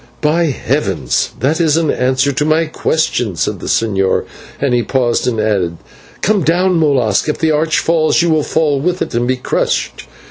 "By heaven! that is an answer to my question," said the señor; then he paused and added, "Come down, Molas; if the arch falls, you will fall with it and be crushed."